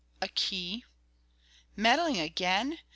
"A key." "Meddling again!